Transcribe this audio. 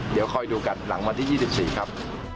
เดี๋ยวคอยดูกันหลังวันที่๒๔ครับ